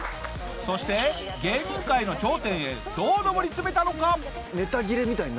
そして芸人界の頂点へどう上り詰めたのか？